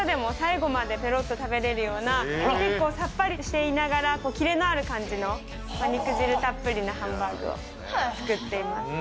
女性の方でも最後までぺろっと食べれるような結構さっぱりしていながら、キレのある感じの肉汁たっぷりなハンバーグを作っています。